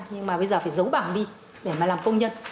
nhưng mà bây giờ phải giấu bảng đi để mà làm công nhân